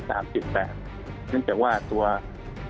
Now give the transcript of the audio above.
เช่นว่าตัวภารกิจแผนสวายแค่นี้